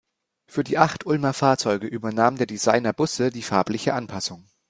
Für die acht Ulmer Fahrzeuge übernahm der Designer Busse die farbliche Anpassung.